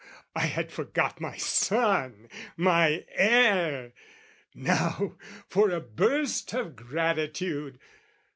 I had forgot my son, My heir! Now for a burst of gratitude!